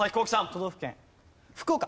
都道府県福岡。